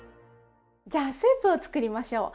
じゃあスープを作りましょう。